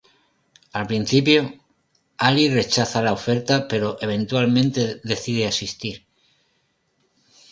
Al principio, Ally rechaza la oferta pero eventualmente decide asistir.